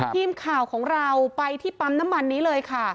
ทีมข่าวของเราไปที่ปั๊มน้ำมันนี้เลยค่ะ